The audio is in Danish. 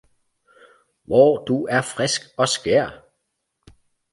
Hvor du er frisk og skær